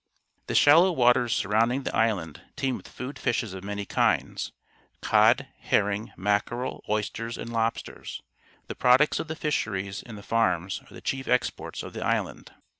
The shallow waters surrounding the island teem with food fishes of many kinds — cod herring^ mackere l, oysters, and lobs ters. The products of the fisheries and the farms are the cliief exports of the island.